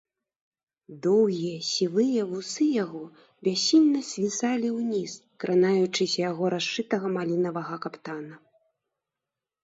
Доўгія сівыя вусы яго бяссільна звісалі ўніз, кранаючыся яго расшытага малінавага каптана.